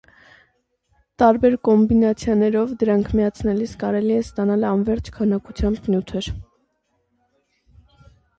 Տարբեր կոմբինացիաներով դրանք միացնելիս կարելի է ստանալ անվերջ քանակությամբ նյութեր։